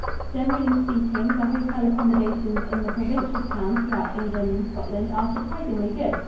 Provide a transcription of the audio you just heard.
Generally speaking, the hotel accommodations in the provincial towns throughout England and Scotland are surprisingly good.